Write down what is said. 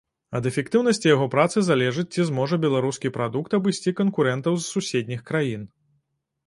Ад эфектыўнасці яго працы залежыць, ці зможа беларускі прадукт абысці канкурэнтаў з суседніх краін.